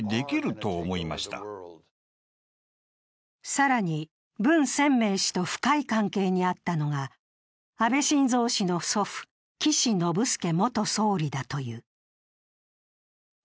更に、文鮮明氏と深い関係にあったのが安倍晋三氏の祖父・岸信介元総理だという。